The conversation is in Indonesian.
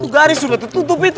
garis udah tertutup itu